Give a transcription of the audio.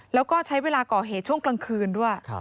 แล้วก็ใช้เวลาก่อเหตุช่วงกลางคืนด้วย